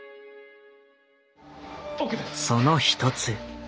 その一つ。